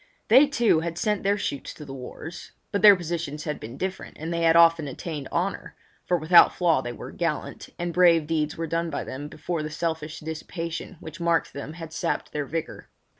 They, too, had sent their shoots to the wars; but their positions had been different and they had often attained honour—for without flaw they were gallant, and brave deeds were done by them before the selfish dissipation which marked them had sapped their vigour.